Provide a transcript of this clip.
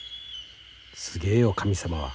すげえよ神様は。